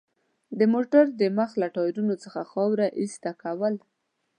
د موټر د مخ له ټایرونو څخه خاوره ایسته کول.